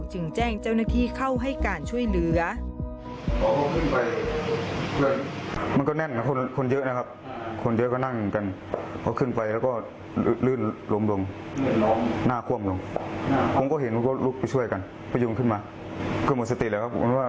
จึงแจ้งเจ้าหน้าที่เข้าให้การช่วยเหลือ